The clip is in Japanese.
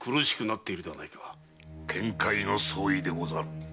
見解の相違でござる。